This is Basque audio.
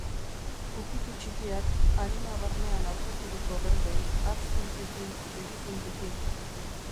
Ukitu txikiak, arima barnean hautaturiko berbei, hatz punttekin, begi punttekin.